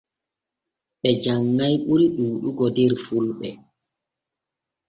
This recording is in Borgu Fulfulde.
Ɓe janŋay ɓuri ɗuuɗugo der fulɓe.